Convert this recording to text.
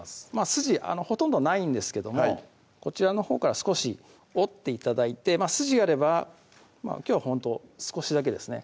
筋ほとんどないんですけどもこちらのほうから少し折って頂いて筋があればきょうはほんと少しだけですね